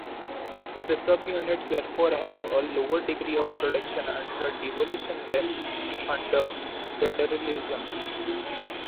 The sub-units therefore have a lower degree of protection under devolution than under federalism.